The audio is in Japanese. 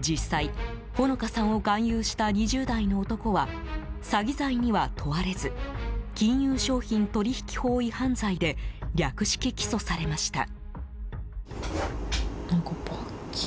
実際、穂野香さんを勧誘した２０代の男は詐欺罪には問われず金融商品取引法違反罪で略式起訴されました。